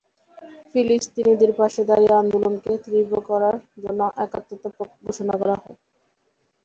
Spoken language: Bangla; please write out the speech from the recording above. ফিলিস্তিনিদের পাশে দাঁড়িয়ে আন্দোলনকে তীব্র করার জন্য একাত্মতা ঘোষণা করা হয়।